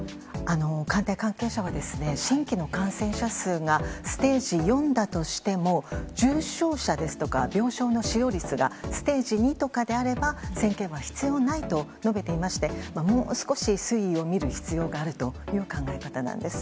官邸関係者は新規の感染者数がステージ４だとしても重症者ですとか病床の使用率がステージ２とかであれば宣言は必要ないと述べていましてもう少し推移を見る必要があるという考え方なんです。